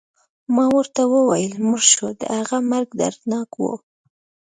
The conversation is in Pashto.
ما ورته وویل: مړ شو، د هغه مرګ دردناک و.